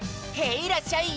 いらっしゃい！